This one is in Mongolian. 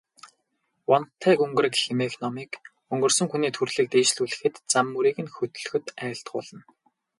Вантай гүнгэрэг хэмээх номыг өнгөрсөн хүний төрлийг дээшлүүлэхэд, зам мөрийг нь хөтлөхөд айлтгуулна.